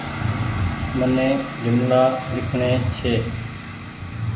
مني جملآ لکڻي ڇي